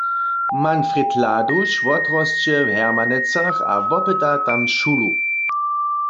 Manfred Laduš wotrosće w Hermanecach a wopyta tam šulu.